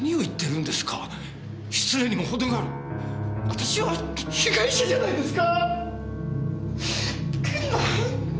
私は被害者じゃないですか！